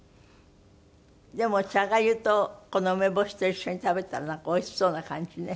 でも茶粥とこの梅干しと一緒に食べたらなんかおいしそうな感じね。